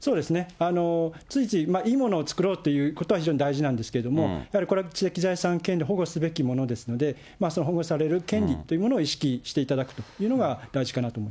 ついついいいものを作ろうということは、非常に大事なんですけれども、やはりこれは知的財産権利を保護すべきものですので、その保護される権利というものを意識していただくというのが、大事かなと思